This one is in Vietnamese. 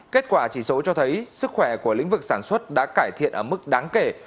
kết quả chỉ số cho thấy sức khỏe của lĩnh vực sản xuất đã cải thiện ở mức đáng kể